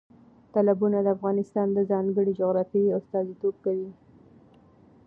تالابونه د افغانستان د ځانګړې جغرافیې استازیتوب کوي.